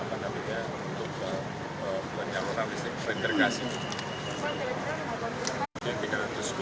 untuk menyalurkan listrik reintegrasi